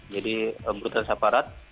jadi brutalitas aparat